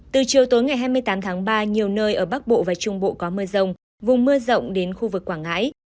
từ chiều tối ngày hai mươi tám tháng ba nhiều nơi ở bắc bộ và trung bộ có mưa rông vùng mưa rộng đến khu vực quảng ngãi